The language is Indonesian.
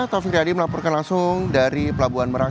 taufik riyadi melaporkan langsung dari pelabuhan merak